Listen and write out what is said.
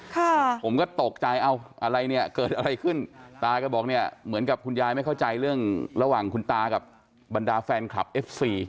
ค่ะผมก็ตกใจเอาอะไรเนี่ยเกิดอะไรขึ้นตาก็บอกเนี่ยเหมือนกับคุณยายไม่เข้าใจเรื่องระหว่างคุณตากับบรรดาแฟนคลับเอฟซี